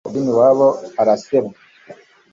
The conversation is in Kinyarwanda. sha ubyina iwabo arasebwa